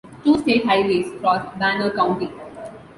Two state highways cross Banner County.